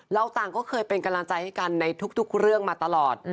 ต่างก็เคยเป็นกำลังใจให้กันในทุกเรื่องมาตลอด